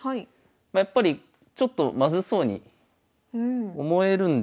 やっぱりちょっとまずそうに思えるんですが。